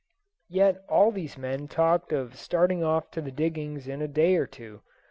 Yet all these men talked of starting off to the diggings in a day or two.